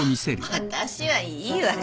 私はいいわよ。